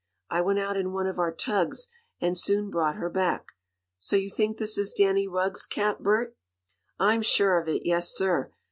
I went out in one of our tugs and soon brought her back. So you think this is Danny Rugg's cap, Bert?" "I'm sure of it, yes, sir.